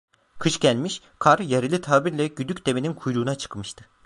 Kış gelmiş; kar, yerli tabirle, güdük devenin kuyruğuna çıkmıştı.